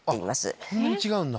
こんなに違うんだ。